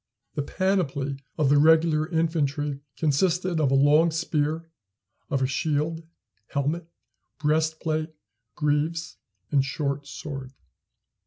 The panoply of the regular infantry consisted of a long spear, of a shield, helmet, breastplate, greaves, and short sword.